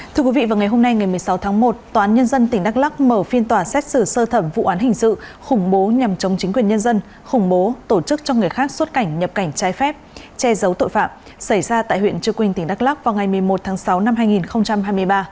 thưa quý vị vào ngày hôm nay ngày một mươi sáu tháng một tòa án nhân dân tỉnh đắk lắc mở phiên tòa xét xử sơ thẩm vụ án hình sự khủng bố nhằm chống chính quyền nhân dân khủng bố tổ chức cho người khác xuất cảnh nhập cảnh trái phép che giấu tội phạm xảy ra tại huyện trư quynh tỉnh đắk lắc vào ngày một mươi một tháng sáu năm hai nghìn hai mươi ba